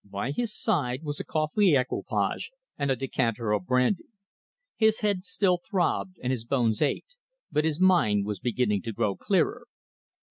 By his side was a coffee equipage and a decanter of brandy. His head still throbbed, and his bones ached, but his mind was beginning to grow clearer.